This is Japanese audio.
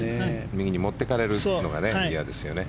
右に持っていかれるというのが嫌ですよね。